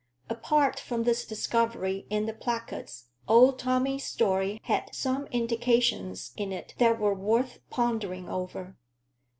Apart from this discovery in the placards, old Tommy's story had some indications in it that were worth pondering over.